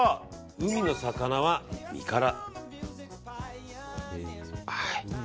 海の魚は身から。